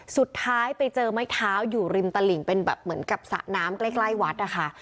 สุดท้ายไปเจอไม้เท้าอยู่ริมตลิ่งเป็นแบบเหมือนกับสระน้ำใกล้วัดนะคะ